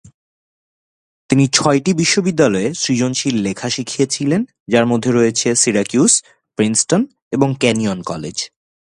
তিনি ছয়টি বিশ্ববিদ্যালয়ে সৃজনশীল লেখা শিখিয়েছিলেন, যার মধ্যে রয়েছে সিরাকিউস, প্রিন্সটন এবং কেনিয়ন কলেজ।